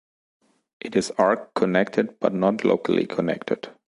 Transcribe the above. It is arc connected but not locally connected.